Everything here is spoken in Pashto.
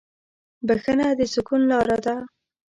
بښنه د سکون لاره ده.